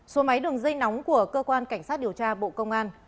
số máy đường dây nóng của cơ quan cảnh sát điều tra bộ công an